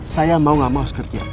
saya mau gak mau sekerja